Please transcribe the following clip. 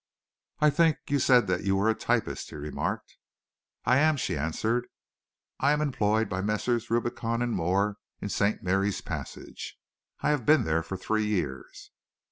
"I think you said that you were a typist," he remarked. "I am," she answered. "I am employed by Messrs. Rubicon & Moore in St. Mary's Passage. I have been there for three years."